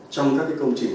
trong các công trình